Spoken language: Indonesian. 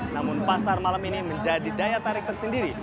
namun pasar malam ini menjadi daya tarik tersendiri